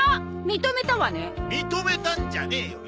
認めたんじゃねえよ。